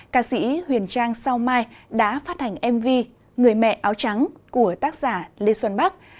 ca sĩ huyền trang sao mai đã phát hành mv người mẹ áo trắng của tác giả lê xuân bắc